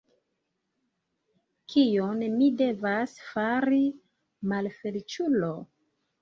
Kion mi devas fari, malfeliĉulo?